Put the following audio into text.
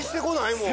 もう。